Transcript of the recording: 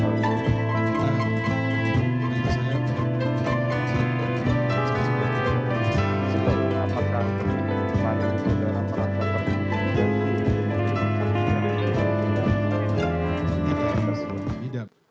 kapan saudara memerintahkan ricky untuk memindahkan uang yang ada di dalam rekening joshua